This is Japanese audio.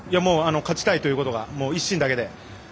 勝ちたいという一心だけで。